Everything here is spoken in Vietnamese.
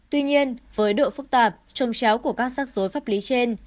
tuy nhiên với độ phức tạp trông cháo của các xác rối pháp lý trên